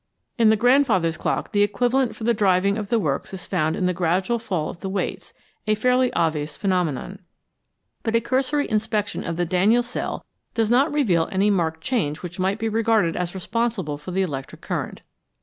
In the grandfather's clock the equivalent for the driving of the works is found in the gradual fall of the weights a fairly obvious phenomenon ; but a cursory inspection of the Daniell cell does not reveal any marked change 292 CHEMISTRY AND ELECTRICITY which might be regarded as responsible for the electric current.